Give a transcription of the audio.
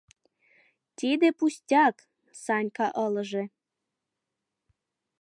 — Тиде пустяк, — Санька ылыже.